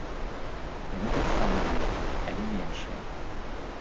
Яны таксама ёсць, але меншыя.